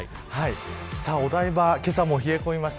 さあ、お台場けさも冷え込みました。